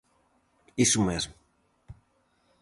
-Iso mesmo!